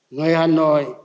người hà nội